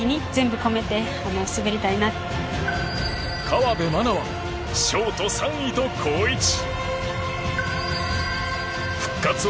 河辺愛菜はショート３位と好位置。